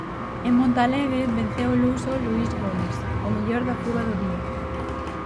En Montalegre venceu o luso Luís Gomes, o mellor da fuga do día.